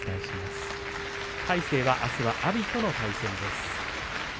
魁聖はあすは阿炎との対戦です。